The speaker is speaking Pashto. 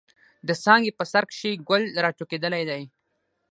د څانګې په سر کښې ګل را ټوكېدلے دے۔